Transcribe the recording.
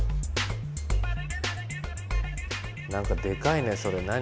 何かでかいねそれ何？